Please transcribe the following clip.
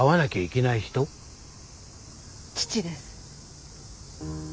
父です。